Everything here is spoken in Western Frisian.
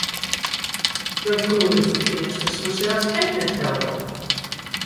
Dat koenen dy Feansters fansels ek net helpe.